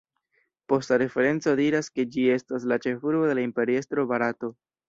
Posta referenco diras ke ĝi estas la ĉefurbo de la Imperiestro Barato.